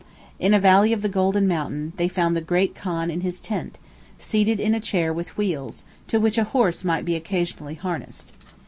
In a valley of the Golden Mountain, they found the great khan in his tent, seated in a chair with wheels, to which a horse might be occasionally harnessed.